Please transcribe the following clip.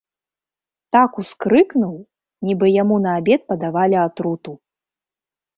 Так ускрыкнуў, нібы яму на абед падавалі атруту.